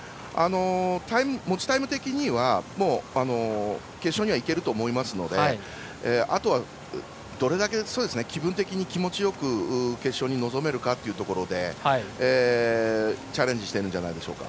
持ちタイム的にはもう、決勝にはいけると思いますのであとは、どれだけ気分的に気持ちよく決勝に臨めるかというところでチャレンジしてるんじゃないでしょうか。